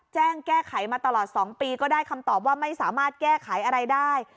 แจ้งแก้ไขมาตลอด๒ปีก็ได้คำตอบว่าไม่สามารถแก้ไขอะไรได้